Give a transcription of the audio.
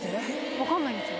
分かんないんですよ